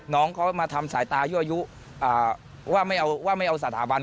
น้องเขามาทำสายตายั่วยุว่าไม่เอาสถาบัน